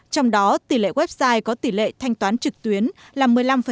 trong đó tỷ lệ website có tỷ lệ thanh toán trực tuyến là một mươi năm